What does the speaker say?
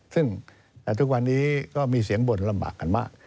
ซึ่งทุกวันนี้ก็มีเสียงบ่นลำบากกันมาก